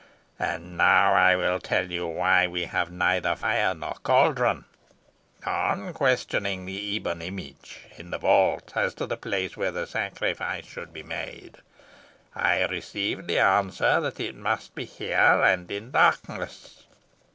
"And now I will tell you why we have neither fire nor caldron. On questioning the ebon image in the vault as to the place where the sacrifice should be made, I received for answer that it must be here, and in darkness.